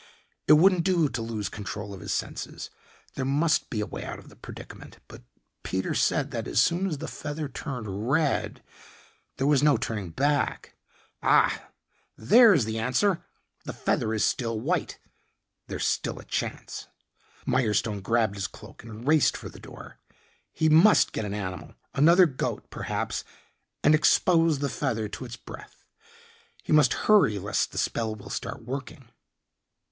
It wouldn't do to lose control of his senses. There must be a way out of the predicament. But Peter said that as soon as the feather turned red there was no turning back. Ah there's the answer. The feather is still white ... there's still a chance. Mirestone grabbed his cloak and raced for the door. He must get an animal another goat, perhaps, and expose the feather to its breath. He must hurry lest the spell will start working.